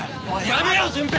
やめろ純平！